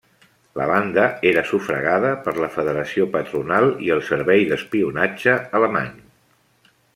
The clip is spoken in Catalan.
La banda era sufragada per la Federació Patronal i el servei d'espionatge alemany.